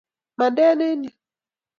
Mande eng yu!